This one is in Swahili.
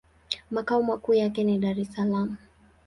Makao makuu yake ni Dar-es-Salaam.